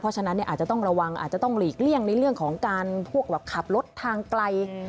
เพราะฉะนั้นอาจจะต้องระวังอาจจะต้องหลีกเลี่ยงในเรื่องของการพวกขับรถทางไกล